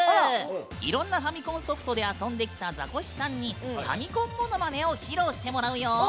いろんなファミコンソフトで遊んできたザコシさんにファミコンものまねを披露してもらうよ！